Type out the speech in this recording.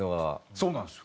そうなんですよ。